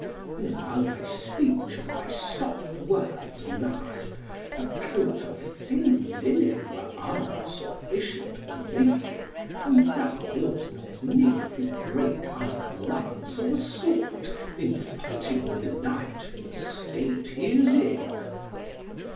And while thy speech and thy soft words last, a coat of thin linen were armour sufficient for thee, and thou wilt not need to break either lance or sword in fighting with the knight in the state he is in."